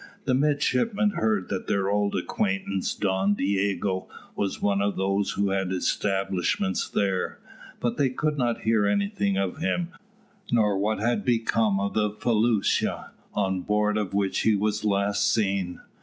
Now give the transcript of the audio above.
The midshipmen heard that their old acquaintance Don Diogo was one of those who had establishments there, but they could not hear anything of him, nor what had become of the felucca, on board of which he was last seen.